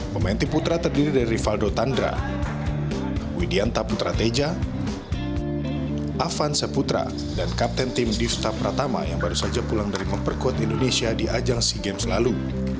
pemain tim putra terdiri dari rivaldo tandra widianta putrateja afan seputra dan kapten tim difta pratama yang baru saja pulang dari memperkuat indonesia di ajang sea games lalu